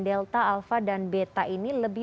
delta alpha dan beta ini lebih